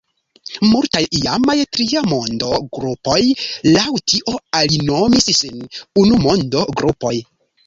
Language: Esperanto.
Multaj iamaj “Triamondo-grupoj” laŭ tio alinomis sin “Unumondo-grupoj”.